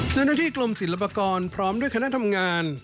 เจ้าหน้าที่กรมศิลปากรพร้อมด้วยคณะทำงาน